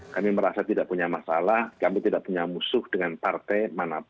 kami merasa tidak punya masalah kami tidak punya musuh dengan partai